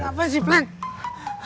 loh apa sih blank